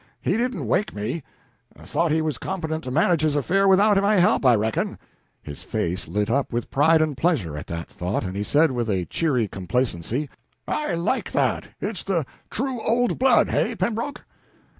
He didn't wake me. Thought he was competent to manage his affair without my help, I reckon." His face lit up with pride and pleasure at that thought, and he said with a cheery complacency, "I like that it's the true old blood hey, Pembroke?"